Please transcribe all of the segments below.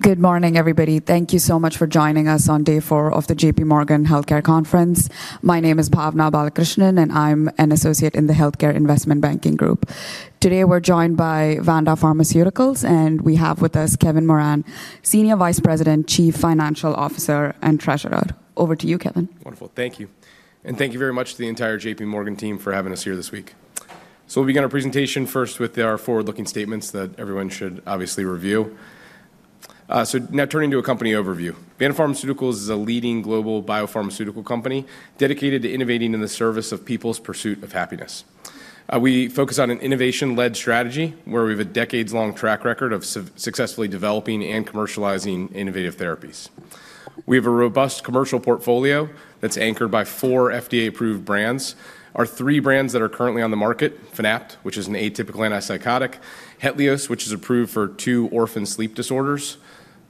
Good morning, everybody. Thank you so much for joining us on day four of the J.P. Morgan Healthcare Conference. My name is Bhavana Balakrishnan, and I'm an associate in the Healthcare Investment Banking Group. Today we're joined by Vanda Pharmaceuticals, and we have with us Kevin Moran, Senior Vice President, Chief Financial Officer, and Treasurer. Over to you, Kevin. Wonderful. Thank you. And thank you very much to the entire J.P. Morgan team for having us here this week. So we'll begin our presentation first with our forward-looking statements that everyone should obviously review. So now turning to a company overview, Vanda Pharmaceuticals is a leading global biopharmaceutical company dedicated to innovating in the service of people's pursuit of happiness. We focus on an innovation-led strategy where we have a decades-long track record of successfully developing and commercializing innovative therapies. We have a robust commercial portfolio that's anchored by four FDA-approved brands. Our three brands that are currently on the market: Fanapt, which is an atypical antipsychotic. HETLIOZ, which is approved for two orphan sleep disorders.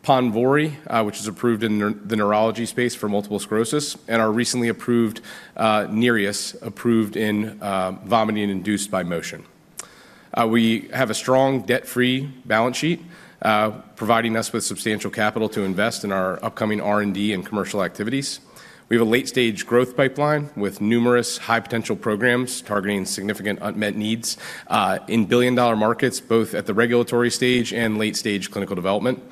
PONVORY, which is approved in the neurology space for multiple sclerosis. And our recently approved NEREUS, approved in vomiting induced by motion. We have a strong debt-free balance sheet, providing us with substantial capital to invest in our upcoming R&D and commercial activities. We have a late-stage growth pipeline with numerous high-potential programs targeting significant unmet needs in billion-dollar markets, both at the regulatory stage and late-stage clinical development,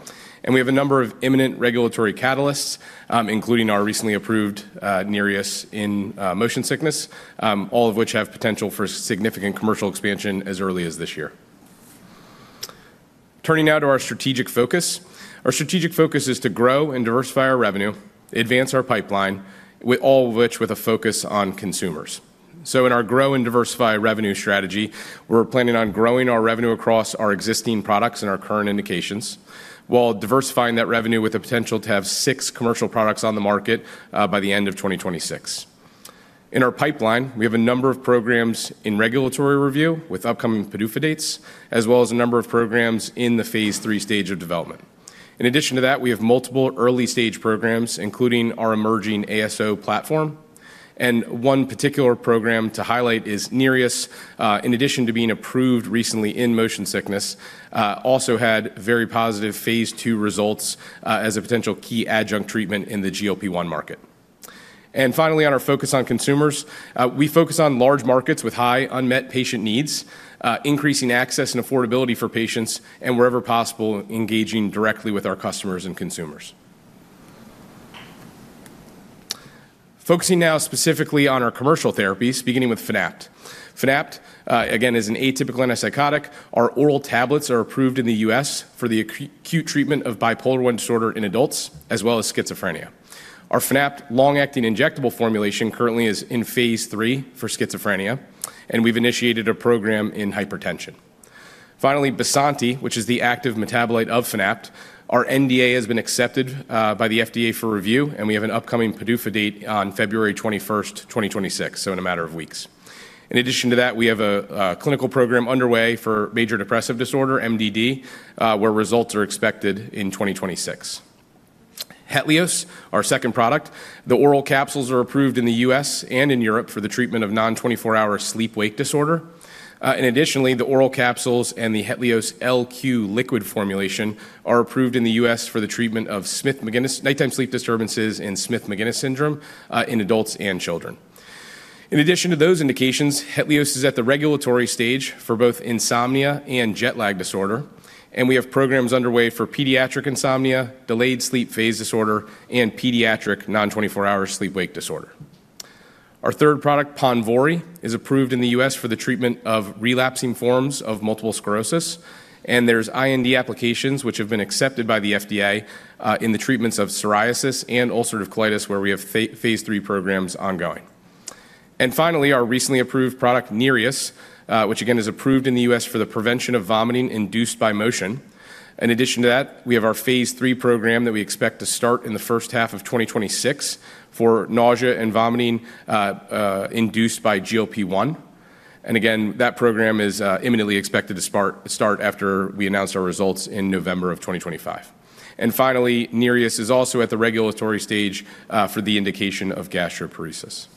and we have a number of imminent regulatory catalysts, including our recently approved NEREUS in motion sickness, all of which have potential for significant commercial expansion as early as this year. Turning now to our strategic focus. Our strategic focus is to grow and diversify our revenue, advance our pipeline, all of which with a focus on consumers, so in our grow and diversify revenue strategy, we're planning on growing our revenue across our existing products and our current indications, while diversifying that revenue with a potential to have six commercial products on the market by the end of 2026. In our pipeline, we have a number of programs in regulatory review with upcoming PDUFA dates, as well as a number of programs in the phase III stage of development. In addition to that, we have multiple early-stage programs, including our emerging ASO platform. And one particular program to highlight is NEREUS, in addition to being approved recently in motion sickness, also had very positive phase II results as a potential key adjunct treatment in the GLP-1 market. And finally, on our focus on consumers, we focus on large markets with high unmet patient needs, increasing access and affordability for patients, and wherever possible, engaging directly with our customers and consumers. Focusing now specifically on our commercial therapies, beginning with Fanapt. Fanapt, again, is an atypical antipsychotic. Our oral tablets are approved in the U.S. for the acute treatment of bipolar I disorder in adults, as well as schizophrenia. Our Fanapt long-acting injectable formulation currently is in phase III for schizophrenia, and we've initiated a program in hypertension. Finally, Bysanti, which is the active metabolite of Fanapt, our NDA has been accepted by the FDA for review, and we have an upcoming PDUFA date on February 21st, 2026, so in a matter of weeks. In addition to that, we have a clinical program underway for major depressive disorder, MDD, where results are expected in 2026. HETLIOZ, our second product, the oral capsules are approved in the U.S. and in Europe for the treatment of non-24-hour sleep-wake disorder, and additionally, the oral capsules and the HETLIOZ LQ liquid formulation are approved in the U.S. for the treatment of nighttime sleep disturbances and Smith-Magenis syndrome in adults and children. In addition to those indications, HETLIOZ is at the regulatory stage for both insomnia and jet lag disorder, and we have programs underway for pediatric insomnia, delayed sleep phase disorder, and pediatric non-24-hour sleep-wake disorder. Our third product, PONVORY, is approved in the U.S. for the treatment of relapsing forms of multiple sclerosis, and there's IND applications which have been accepted by the FDA in the treatments of psoriasis and ulcerative colitis where we have phase III programs ongoing. And finally, our recently approved product, NEREUS, which again is approved in the U.S. for the prevention of vomiting induced by motion. In addition to that, we have our phase III program that we expect to start in the first half of 2026 for nausea and vomiting induced by GLP-1. And again, that program is imminently expected to start after we announce our results in November of 2025. And finally, NEREUS is also at the regulatory stage for the indication of gastroparesis.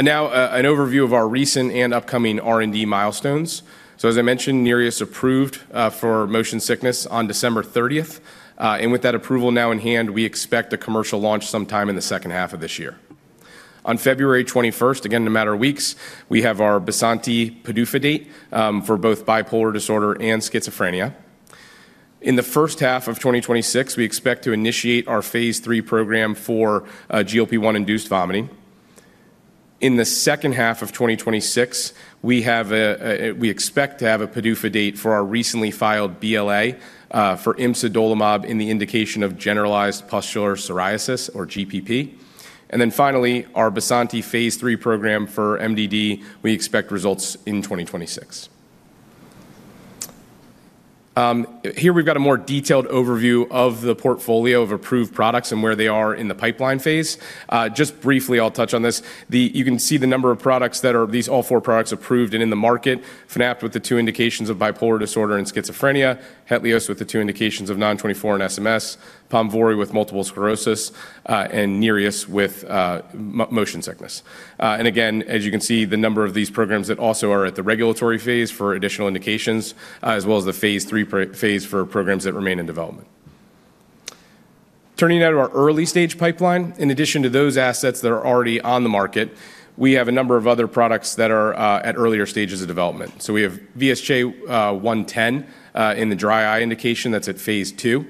Now, an overview of our recent and upcoming R&D milestones. So as I mentioned, NEREUS approved for motion sickness on December 30th, and with that approval now in hand, we expect a commercial launch sometime in the second half of this year. On February 21st, again in a matter of weeks, we have our Bysanti PDUFA date for both bipolar disorder and schizophrenia. In the first half of 2026, we expect to initiate our phase III program for GLP-1 induced vomiting. In the second half of 2026, we expect to have a PDUFA date for our recently filed BLA for imsidolimab in the indication of generalized pustular psoriasis, or GPP. And then finally, our Bysanti phase III program for MDD, we expect results in 2026. Here we've got a more detailed overview of the portfolio of approved products and where they are in the pipeline phase. Just briefly, I'll touch on this. You can see the number of products that are these all four products approved and in the market: Fanapt with the two indications of bipolar disorder and schizophrenia, HETLIOZ with the two indications of non-24 and SMS, PONVORY with multiple sclerosis, and NEREUS with motion sickness, and again, as you can see, the number of these programs that also are at the regulatory phase for additional indications, as well as the phase III, phase IV programs that remain in development. Turning now to our early-stage pipeline, in addition to those assets that are already on the market, we have a number of other products that are at earlier stages of development. We have VSJ-110 in the dry eye indication that's at phase II,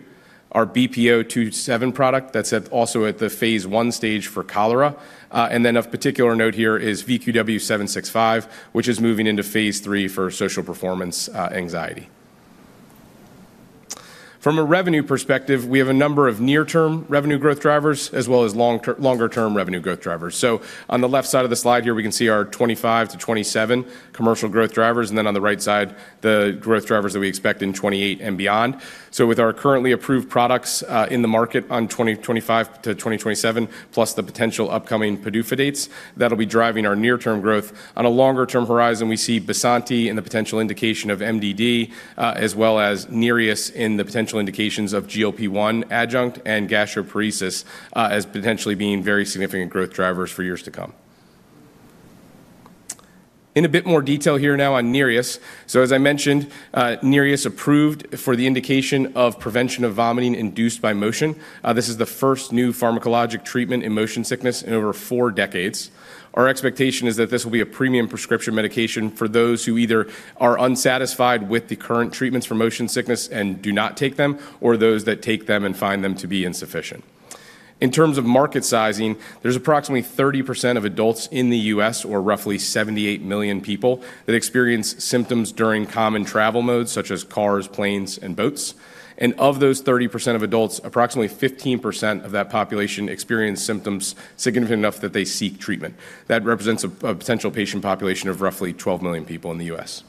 our BPO-27 product that's also at the phase I stage for cholera, and then of particular note here is VQW-765, which is moving into phase III for social performance anxiety. From a revenue perspective, we have a number of near-term revenue growth drivers as well as longer-term revenue growth drivers. So on the left side of the slide here, we can see our 25-27 commercial growth drivers, and then on the right side, the growth drivers that we expect in 28 and beyond. So with our currently approved products in the market on 2025-2027, plus the potential upcoming PDUFA dates, that'll be driving our near-term growth. On a longer-term horizon, we see Bysanti in the potential indication of MDD, as well as NEREUS in the potential indications of GLP-1 adjunct and gastroparesis as potentially being very significant growth drivers for years to come. In a bit more detail here now on NEREUS. So as I mentioned, NEREUS approved for the indication of prevention of vomiting induced by motion. This is the first new pharmacologic treatment in motion sickness in over four decades. Our expectation is that this will be a premium prescription medication for those who either are unsatisfied with the current treatments for motion sickness and do not take them, or those that take them and find them to be insufficient. In terms of market sizing, there's approximately 30% of adults in the U.S., or roughly 78 million people, that experience symptoms during common travel modes such as cars, planes, and boats. And of those 30% of adults, approximately 15% of that population experience symptoms significant enough that they seek treatment. That represents a potential patient population of roughly 12 million people in the U.S.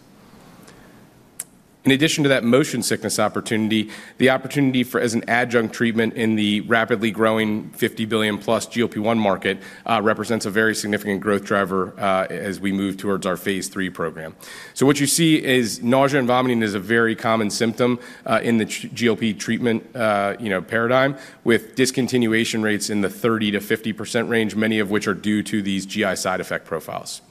In addition to that motion sickness opportunity, the opportunity for adjunct treatment in the rapidly growing $50 billion+ GLP-1 market represents a very significant growth driver as we move towards our phase III program. So what you see is nausea and vomiting is a very common symptom in the GLP treatment paradigm, with discontinuation rates in the 30%-50% range, many of which are due to these GI side effect profiles.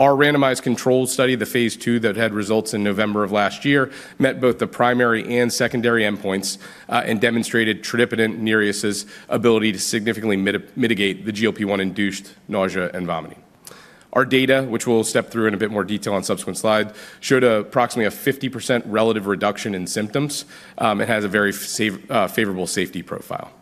Our randomized control study, the phase II that had results in November of last year, met both the primary and secondary endpoints and demonstrated tradipitant, NEREUS's ability to significantly mitigate the GLP-1 induced nausea and vomiting. Our data, which we'll step through in a bit more detail on subsequent slides, showed approximately a 50% relative reduction in symptoms and has a very favorable safety profile.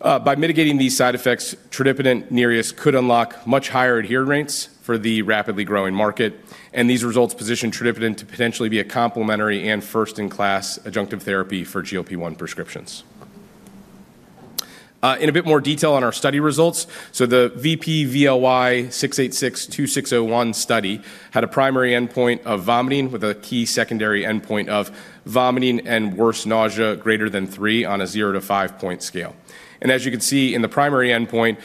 By mitigating these side effects, tradipitant NEREUS could unlock much higher adherence rates for the rapidly growing market, and these results position tradipitant to potentially be a complementary and first-in-class adjunctive therapy for GLP-1 prescriptions. In a bit more detail on our study results, so the VP-VLY-686-2601 study had a primary endpoint of vomiting with a key secondary endpoint of vomiting and worse nausea greater than three on a zero to five-point scale, and as you can see in the primary endpoint,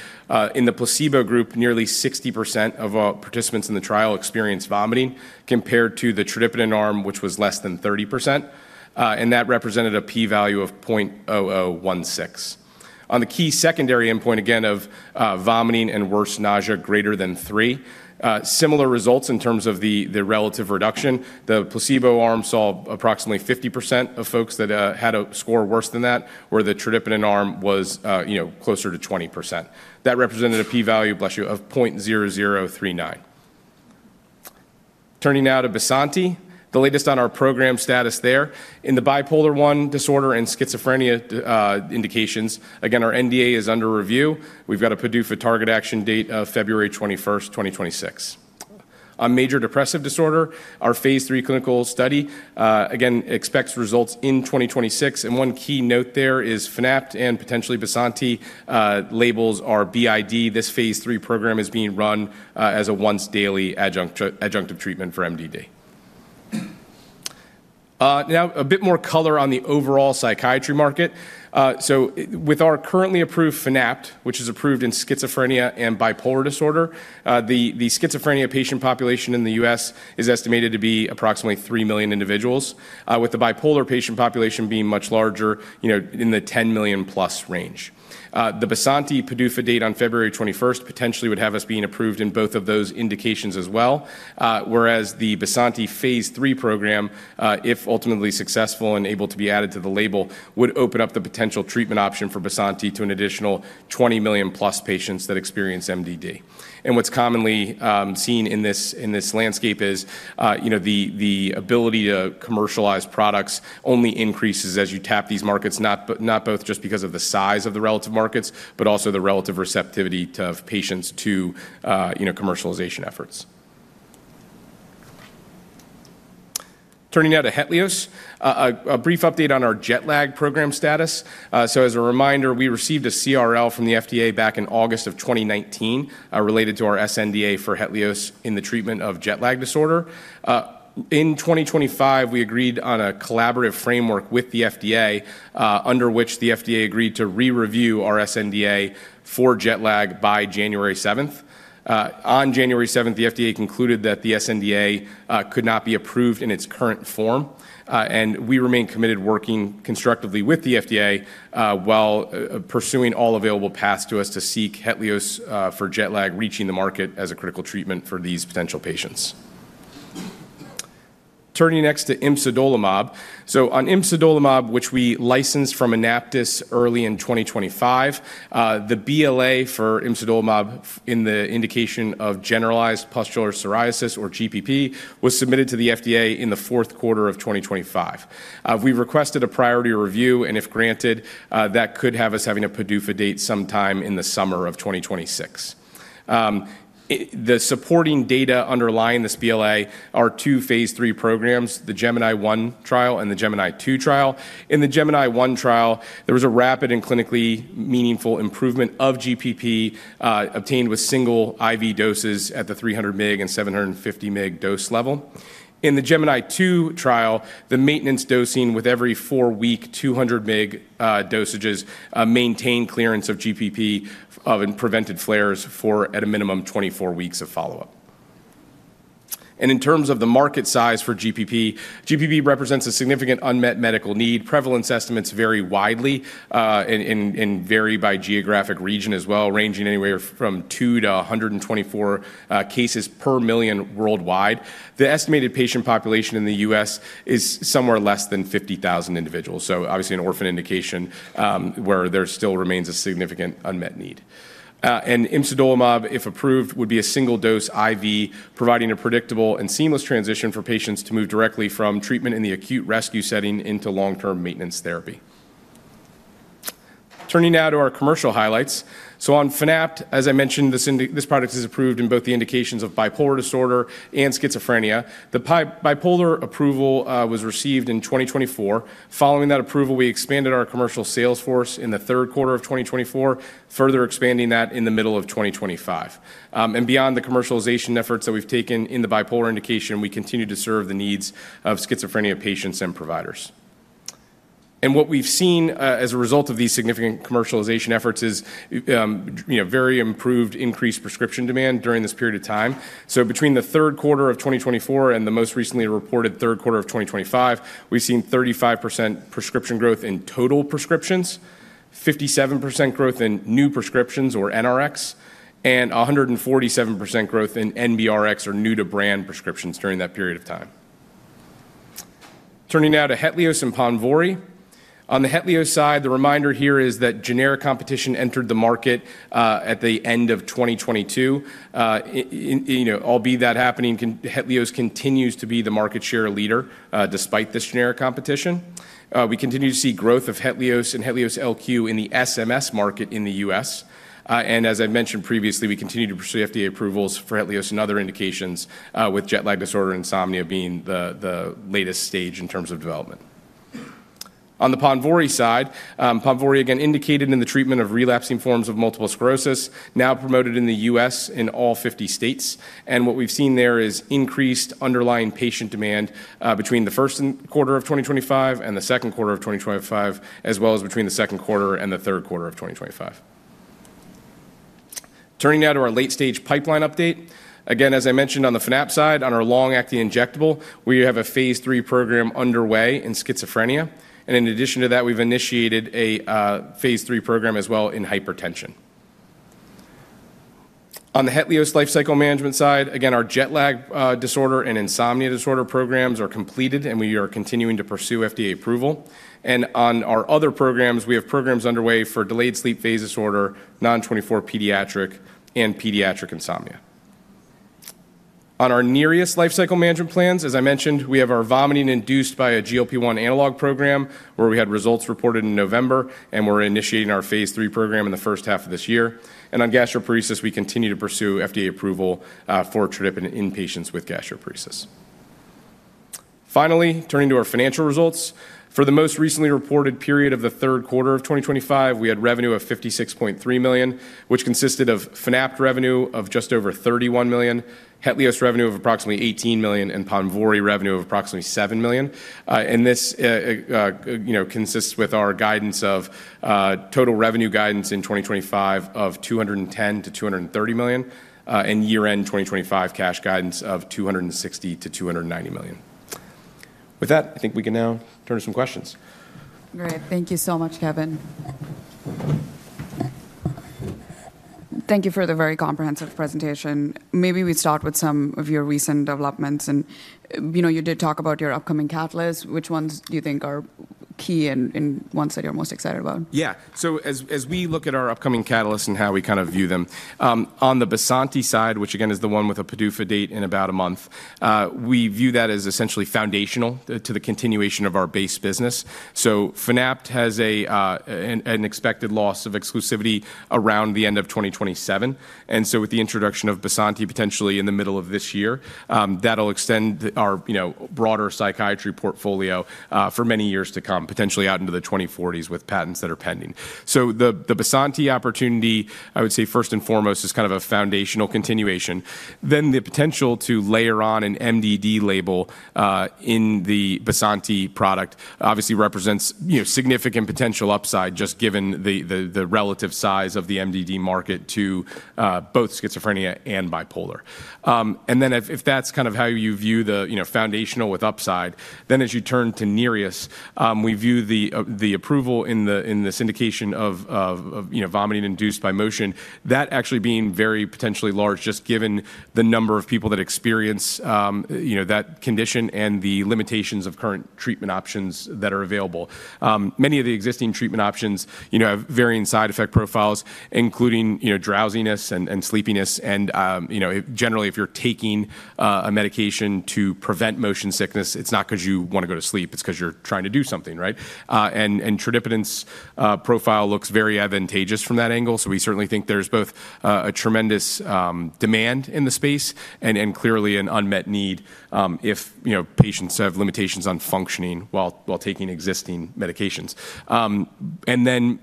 in the placebo group, nearly 60% of participants in the trial experienced vomiting compared to the tradipitant arm, which was less than 30%, and that represented a p-value of 0.0016. On the key secondary endpoint, again, of vomiting and worse nausea greater than three, similar results in terms of the relative reduction. The placebo arm saw approximately 50% of folks that had a score worse than that, where the tradipitant arm was closer to 20%. That represented a p-value, bless you, of 0.0039. Turning now to Bysanti, the latest on our program status there. In the bipolar I disorder and schizophrenia indications, again, our NDA is under review. We've got a PDUFA target action date of February 21st, 2026. On major depressive disorder, our phase III clinical study again expects results in 2026, and one key note there is Fanapt and potentially Bysanti labels are BID. This phase III program is being run as a once-daily adjunct of treatment for MDD. Now, a bit more color on the overall psychiatry market. With our currently approved Fanapt, which is approved in schizophrenia and bipolar disorder, the schizophrenia patient population in the U.S. is estimated to be approximately 3 million individuals, with the bipolar patient population being much larger in the 10 million-plus range. The Bysanti PDUFA date on February 21st potentially would have us being approved in both of those indications as well, whereas the Bysanti phase III program, if ultimately successful and able to be added to the label, would open up the potential treatment option for Bysanti to an additional 20 million-plus patients that experience MDD. What's commonly seen in this landscape is the ability to commercialize products only increases as you tap these markets, not only just because of the size of the relative markets, but also the relative receptivity of patients to commercialization efforts. Turning now to HETLIOZ, a brief update on our jet lag program status. So as a reminder, we received a CRL from the FDA back in August of 2019 related to our sNDA for HETLIOZ in the treatment of jet lag disorder. In 2025, we agreed on a collaborative framework with the FDA under which the FDA agreed to re-review our sNDA for jet lag by January 7th. On January 7th, the FDA concluded that the sNDA could not be approved in its current form, and we remain committed to working constructively with the FDA while pursuing all available paths to us to seek HETLIOZ for jet lag reaching the market as a critical treatment for these potential patients. Turning next to imsidolimab. On Imsidolimab, which we licensed from AnaptysBio early in 2025, the BLA for Imsidolimab in the indication of generalized pustular psoriasis, or GPP, was submitted to the FDA in the fourth quarter of 2025. We requested a priority review, and if granted, that could have us having a PDUFA date sometime in the summer of 2026. The supporting data underlying this BLA are two phase III programs, the GEMINI-1 trial and the GEMINI-2 trial. In the GEMINI-1 trial, there was a rapid and clinically meaningful improvement of GPP obtained with single IV doses at the 300-mg and 750-mg dose level. In the GEMINI-2 trial, the maintenance dosing with every four-week 200-mg dosages maintained clearance of GPP and prevented flares for at a minimum 24 weeks of follow-up. In terms of the market size for GPP, GPP represents a significant unmet medical need. Prevalence estimates vary widely and vary by geographic region as well, ranging anywhere from 2-124 cases per million worldwide. The estimated patient population in the U.S. is somewhere less than 50,000 individuals, so obviously an orphan indication where there still remains a significant unmet need. Imsidolimab, if approved, would be a single-dose IV, providing a predictable and seamless transition for patients to move directly from treatment in the acute rescue setting into long-term maintenance therapy. Turning now to our commercial highlights. On Fanapt, as I mentioned, this product is approved in both the indications of bipolar disorder and schizophrenia. The bipolar approval was received in 2024. Following that approval, we expanded our commercial sales force in the third quarter of 2024, further expanding that in the middle of 2025. Beyond the commercialization efforts that we've taken in the bipolar indication, we continue to serve the needs of schizophrenia patients and providers. And what we've seen as a result of these significant commercialization efforts is very improved increased prescription demand during this period of time. So between the third quarter of 2024 and the most recently reported third quarter of 2025, we've seen 35% prescription growth in total prescriptions, 57% growth in new prescriptions or NRx, and 147% growth in NBRx or new-to-brand prescriptions during that period of time. Turning now to HETLIOZ and PONVORY. On the HETLIOZ side, the reminder here is that generic competition entered the market at the end of 2022. Albeit that happening, HETLIOZ continues to be the market share leader despite this generic competition. We continue to see growth of HETLIOZ and HETLIOZ LQ in the SMS market in the U.S. As I mentioned previously, we continue to pursue FDA approvals for HETLIOZ and other indications, with jet lag disorder and insomnia being the latest stage in terms of development. On the PONVORY side, PONVORY, again, indicated in the treatment of relapsing forms of multiple sclerosis, now promoted in the U.S. in all 50 states. What we've seen there is increased underlying patient demand between the first quarter of 2025 and the second quarter of 2025, as well as between the second quarter and the third quarter of 2025. Turning now to our late-stage pipeline update. Again, as I mentioned on the Fanapt side, on our long-acting injectable, we have a phase III program underway in schizophrenia. In addition to that, we've initiated a phase III program as well in hypertension. On the HETLIOZ life cycle management side, again, our jet lag disorder and insomnia disorder programs are completed, and we are continuing to pursue FDA approval, and on our other programs, we have programs underway for delayed sleep phase disorder, non-24 pediatric, and pediatric insomnia. On our NEREUS life cycle management plans, as I mentioned, we have our vomiting induced by a GLP-1 analog program, where we had results reported in November, and we're initiating our phase III program in the first half of this year, and on gastroparesis, we continue to pursue FDA approval for tradipitant in patients with gastroparesis. Finally, turning to our financial results, for the most recently reported period of the third quarter of 2025, we had revenue of $56.3 million, which consisted of Fanapt revenue of just over $31 million, HETLIOZ revenue of approximately $18 million, and PONVORY revenue of approximately $7 million. This is consistent with our guidance of total revenue in 2025 of $210 million-$230 million, and year-end 2025 cash guidance of $260 million-$290 million. With that, I think we can now turn to some questions. All right. Thank you so much, Kevin. Thank you for the very comprehensive presentation. Maybe we start with some of your recent developments. And you did talk about your upcoming catalysts. Which ones do you think are key and ones that you're most excited about? Yeah. So as we look at our upcoming catalysts and how we kind of view them, on the Bysanti side, which again is the one with a PDUFA date in about a month, we view that as essentially foundational to the continuation of our base business. So Fanapt has an expected loss of exclusivity around the end of 2027. And so with the introduction of Bysanti potentially in the middle of this year, that'll extend our broader psychiatry portfolio for many years to come, potentially out into the 2040s with patents that are pending. So the Bysanti opportunity, I would say first and foremost, is kind of a foundational continuation. Then the potential to layer on an MDD label in the Bysanti product obviously represents significant potential upside just given the relative size of the MDD market to both schizophrenia and bipolar. And then if that's kind of how you view the foundational with upside, then as you turn to NEREUS, we view the approval in this indication of vomiting induced by motion that actually being very potentially large just given the number of people that experience that condition and the limitations of current treatment options that are available. Many of the existing treatment options have varying side effect profiles, including drowsiness and sleepiness. And generally, if you're taking a medication to prevent motion sickness, it's not because you want to go to sleep, it's because you're trying to do something, right? And tradipitant profile looks very advantageous from that angle. So we certainly think there's both a tremendous demand in the space and clearly an unmet need if patients have limitations on functioning while taking existing medications. And then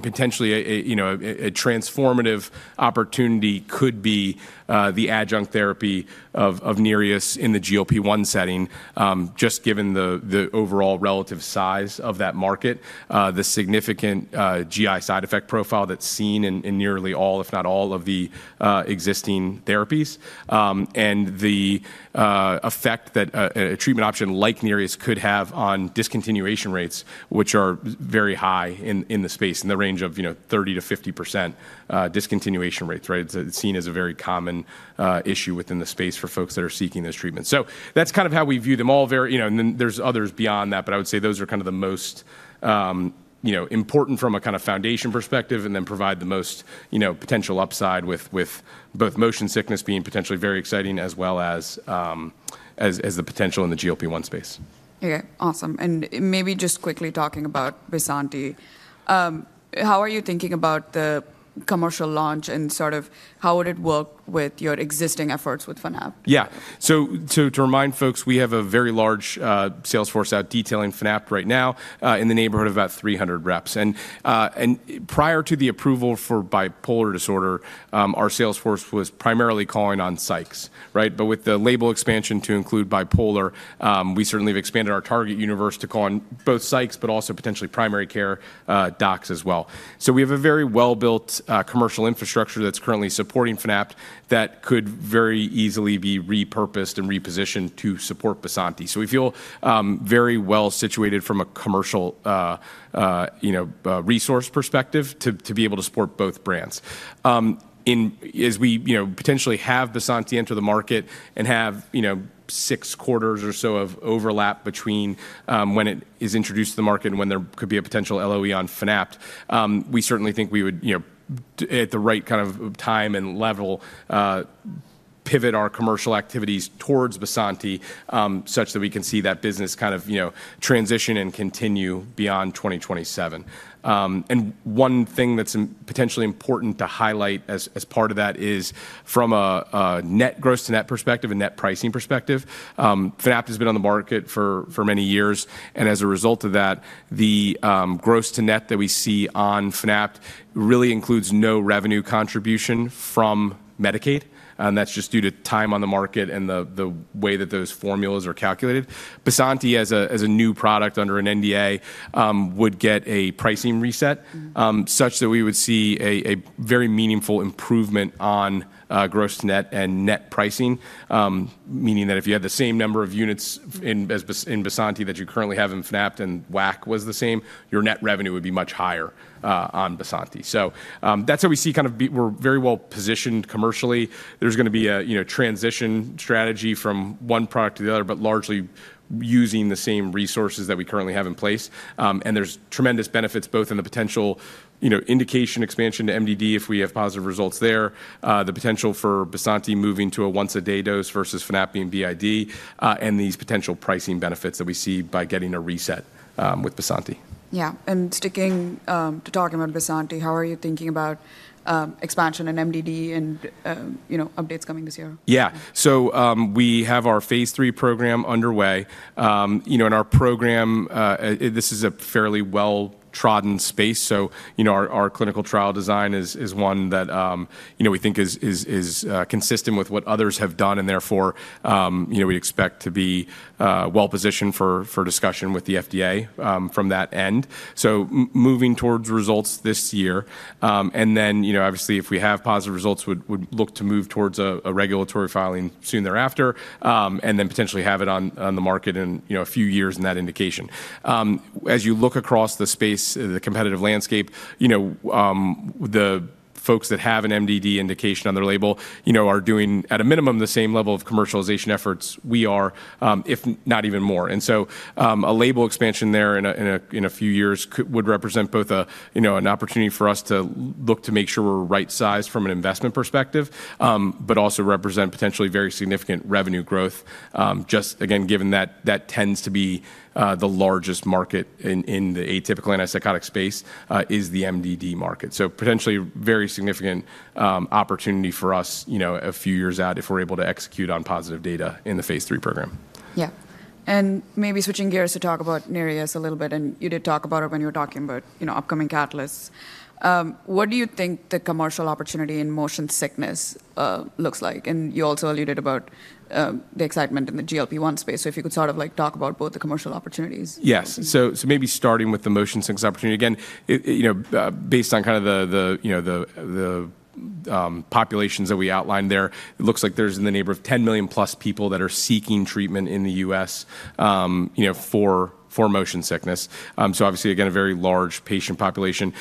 potentially a transformative opportunity could be the adjunct therapy of NEREUS in the GLP-1 setting, just given the overall relative size of that market, the significant GI side effect profile that's seen in nearly all, if not all, of the existing therapies, and the effect that a treatment option like NEREUS could have on discontinuation rates, which are very high in the space, in the range of 30%-50% discontinuation rates, right? It's seen as a very common issue within the space for folks that are seeking those treatments. So that's kind of how we view them all. And then there's others beyond that, but I would say those are kind of the most important from a kind of foundation perspective and then provide the most potential upside with both motion sickness being potentially very exciting as well as the potential in the GLP-1 space. Okay. Awesome. And maybe just quickly talking about Bysanti, how are you thinking about the commercial launch and sort of how would it work with your existing efforts with Fanapt? Yeah. So to remind folks, we have a very large sales force out detailing Fanapt right now in the neighborhood of about 300 reps. And prior to the approval for bipolar disorder, our sales force was primarily calling on psychs, right? But with the label expansion to include bipolar, we certainly have expanded our target universe to call on both psychs, but also potentially primary care docs as well. So we have a very well-built commercial infrastructure that's currently supporting Fanapt that could very easily be repurposed and repositioned to support Bysanti. So we feel very well situated from a commercial resource perspective to be able to support both brands. As we potentially have Bysanti enter the market and have six quarters or so of overlap between when it is introduced to the market and when there could be a potential LOE on Fanapt, we certainly think we would, at the right kind of time and level, pivot our commercial activities towards Bysanti such that we can see that business kind of transition and continue beyond 2027. And one thing that's potentially important to highlight as part of that is from a net gross-to-net perspective, a net pricing perspective, Fanapt has been on the market for many years. And as a result of that, the gross-to-net that we see on Fanapt really includes no revenue contribution from Medicaid. And that's just due to time on the market and the way that those formulas are calculated. Bysanti as a new product under an NDA would get a pricing reset such that we would see a very meaningful improvement on gross-to-net and net pricing, meaning that if you had the same number of units in Bysanti that you currently have in Fanapt and WAC was the same, your net revenue would be much higher on Bysanti, so that's how we see kind of we're very well positioned commercially. There's going to be a transition strategy from one product to the other, but largely using the same resources that we currently have in place, and there's tremendous benefits both in the potential indication expansion to MDD if we have positive results there, the potential for Bysanti moving to a once-a-day dose versus Fanapt being BID, and these potential pricing benefits that we see by getting a reset with Bysanti. Yeah, and sticking to talking about Bysanti, how are you thinking about expansion and MDD and updates coming this year? Yeah. So we have our phase III program underway. In our program, this is a fairly well-trodden space. So our clinical trial design is one that we think is consistent with what others have done. And therefore, we expect to be well-positioned for discussion with the FDA from that end. So moving towards results this year. And then obviously, if we have positive results, we would look to move towards a regulatory filing soon thereafter and then potentially have it on the market in a few years in that indication. As you look across the space, the competitive landscape, the folks that have an MDD indication on their label are doing, at a minimum, the same level of commercialization efforts we are, if not even more. A label expansion there in a few years would represent both an opportunity for us to look to make sure we're right-sized from an investment perspective, but also represent potentially very significant revenue growth, just again, given that that tends to be the largest market in the atypical antipsychotic space is the MDD market. Potentially very significant opportunity for us a few years out if we're able to execute on positive data in the phase III program. Yeah. And maybe switching gears to talk about NEREUS a little bit, and you did talk about it when you were talking about upcoming catalysts. What do you think the commercial opportunity in motion sickness looks like? And you also alluded about the excitement in the GLP-1 space. So if you could sort of talk about both the commercial opportunities. Yes. So maybe starting with the motion sickness opportunity. Again, based on kind of the populations that we outlined there, it looks like there's in the neighborhood of 10 million plus people that are seeking treatment in the U.S. for motion sickness. So obviously, again, a very large patient population.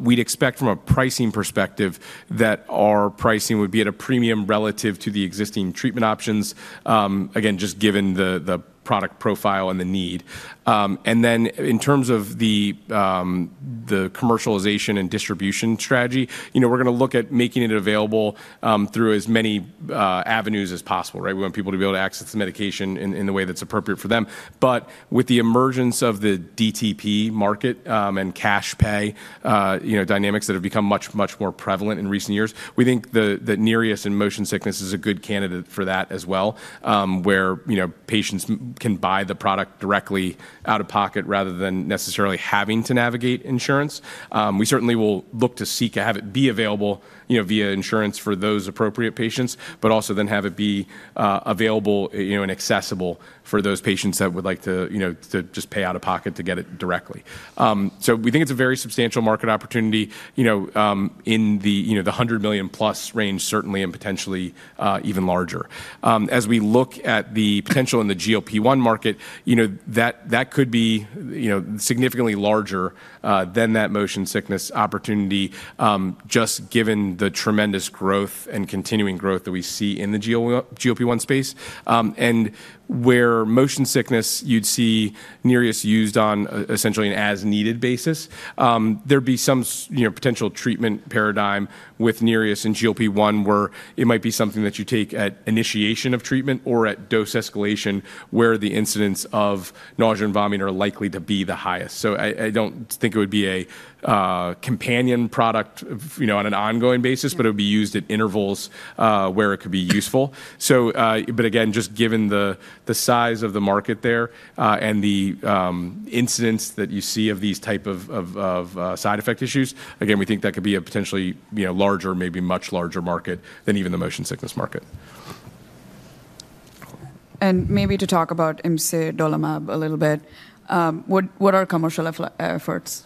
We'd expect from a pricing perspective that our pricing would be at a premium relative to the existing treatment options, again, just given the product profile and the need. And then in terms of the commercialization and distribution strategy, we're going to look at making it available through as many avenues as possible, right? We want people to be able to access the medication in the way that's appropriate for them. But with the emergence of the DTP market and cash pay dynamics that have become much, much more prevalent in recent years, we think that NEREUS and motion sickness is a good candidate for that as well, where patients can buy the product directly out of pocket rather than necessarily having to navigate insurance. We certainly will look to seek to have it be available via insurance for those appropriate patients, but also then have it be available and accessible for those patients that would like to just pay out of pocket to get it directly, so we think it's a very substantial market opportunity in the 100 million plus range, certainly, and potentially even larger. As we look at the potential in the GLP-1 market, that could be significantly larger than that motion sickness opportunity, just given the tremendous growth and continuing growth that we see in the GLP-1 space. Where motion sickness, you'd see NEREUS used on essentially an as-needed basis, there'd be some potential treatment paradigm with NEREUS and GLP-1 where it might be something that you take at initiation of treatment or at dose escalation where the incidence of nausea and vomiting are likely to be the highest. I don't think it would be a companion product on an ongoing basis, but it would be used at intervals where it could be useful. But again, just given the size of the market there and the incidence that you see of these types of side effect issues, again, we think that could be a potentially larger, maybe much larger market than even the motion sickness market. Maybe to talk about Imsidolimab a little bit, what are commercial efforts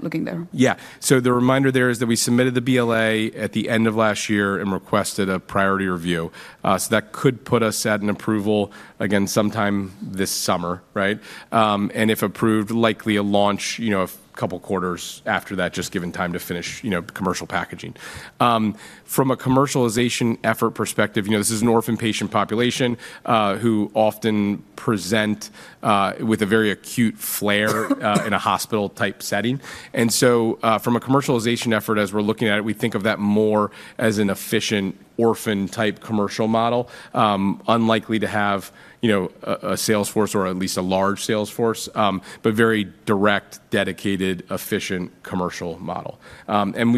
looking there? Yeah. So the reminder there is that we submitted the BLA at the end of last year and requested a priority review. So that could put us at an approval, again, sometime this summer, right? And if approved, likely a launch a couple of quarters after that, just given time to finish commercial packaging. From a commercialization effort perspective, this is an orphan patient population who often present with a very acute flare in a hospital-type setting. And so from a commercialization effort, as we're looking at it, we think of that more as an efficient orphan-type commercial model, unlikely to have a sales force or at least a large sales force, but very direct, dedicated, efficient commercial model.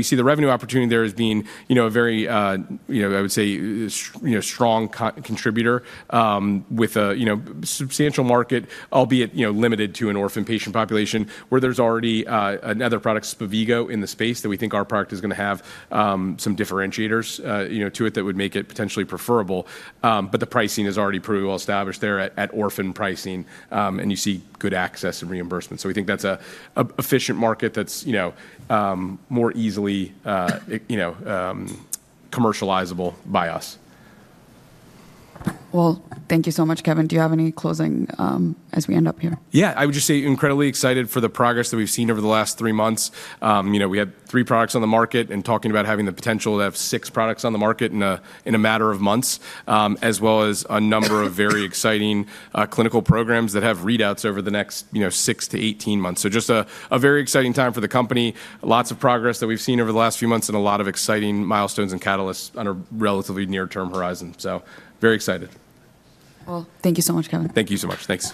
We see the revenue opportunity there as being a very, I would say, strong contributor with a substantial market, albeit limited to an orphan patient population where there's already another product, Spevigo, in the space that we think our product is going to have some differentiators to it that would make it potentially preferable. The pricing is already pretty well established there at orphan pricing, and you see good access and reimbursement. We think that's an efficient market that's more easily commercializable by us. Thank you so much, Kevin. Do you have any closing as we end up here? Yeah. I would just say incredibly excited for the progress that we've seen over the last three months. We had three products on the market and talking about having the potential to have six products on the market in a matter of months, as well as a number of very exciting clinical programs that have readouts over the next six to 18 months. So just a very exciting time for the company, lots of progress that we've seen over the last few months and a lot of exciting milestones and catalysts on a relatively near-term horizon. So very excited. Thank you so much, Kevin. Thank you so much. Thanks.